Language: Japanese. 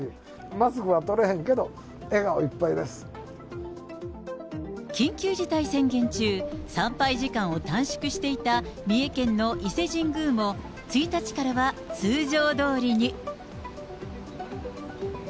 マスクは取れへんけど、笑顔いっ緊急事態宣言中、参拝時間を短縮していた三重県の伊勢神宮も、１日からは通常どおりに。